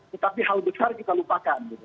tetapi hal besar kita lupakan